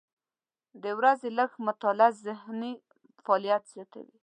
د ورځې لږه مطالعه ذهني فعالیت زیاتوي.